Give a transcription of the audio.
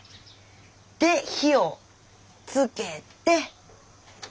で火をつけて。